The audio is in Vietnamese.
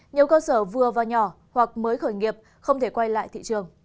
nhiều cơ sở vừa và nhỏ hoặc mới khởi nghiệp không thể quay lại thị trường